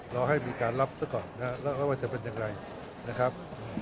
รอให้มีการรับซะก่อนนะครับแล้วไม่ว่าจะเป็นอย่างไรนะครับ